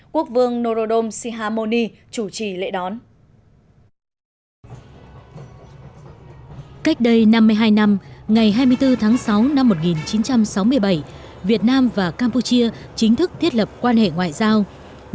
quốc vương norodom sihamoni chủ trì lễ đón